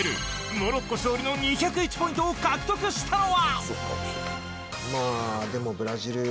モロッコ勝利の２０１ポイントを獲得したのは。